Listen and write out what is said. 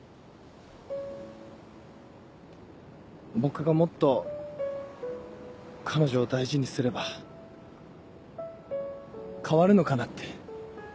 僕がもっと彼女を大事にすれば変わるのかなって。